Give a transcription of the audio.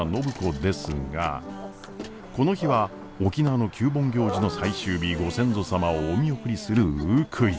この日は沖縄の旧盆行事の最終日ご先祖様をお見送りするウークイ。